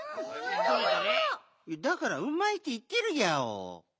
だからうまいっていってるギャオ。